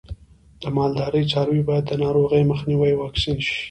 د مالدارۍ څاروی باید د ناروغیو مخنیوي واکسین شي.